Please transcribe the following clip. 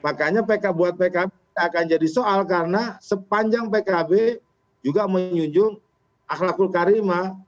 makanya buat pkb akan jadi soal karena sepanjang pkb juga menjunjung akhlakul karima